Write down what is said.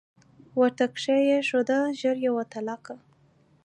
ورته کښې یې ښوده ژر یوه تلکه